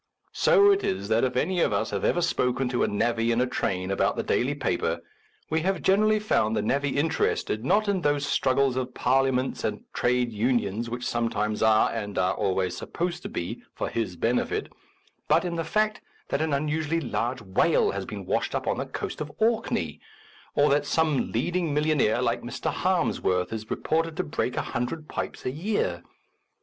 So it is that if any of us have ever spoken to a navvy in a train about the daily paper, we have generally found the navvy interested, not in those struggles of Parliaments and trades unions which sometimes are, and are always supposed to be, for his benefit ; but in the fact that an unusually large whale has been washed up A Defence of Useful Information on the coast of Orkney, or that some lead ing millionaire like Mr. Harmsworth is reported to break a hundred pipes a year.